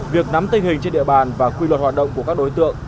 việc nắm tình hình trên địa bàn và quy luật hoạt động của các đối tượng